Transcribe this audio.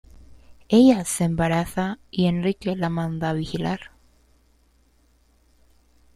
Ella se embaraza, y Enrique la manda a vigilar.